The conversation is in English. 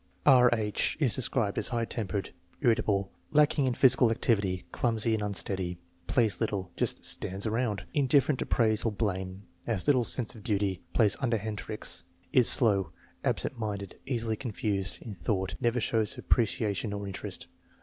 R. H, is described as high tempered, irritable, lacking in physi cal activity, clumsy, and unsteady. Plays little. Just " stands around.'* Indifferent to praise or blame, has little sense of duty, plays underhand tricks. Is slow, absent minded, easily confused, in thought, never shows appreciation or interest.